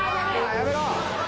やめろ！